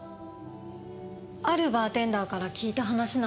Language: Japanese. あるバーテンダーから聞いた話なんですけど。